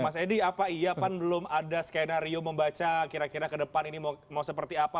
mas edi apa iapan belum ada skenario membaca kira kira kedepan ini mau seperti apa